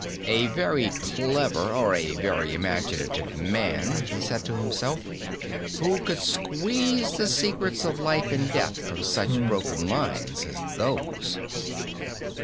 "A very clever, or a very imaginative man," he said to himself, "who could squeeze the secrets of life and death from such broken lines as those!"